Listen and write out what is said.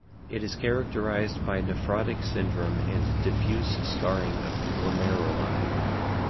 It is characterized by nephrotic syndrome and diffuse scarring of the glomeruli.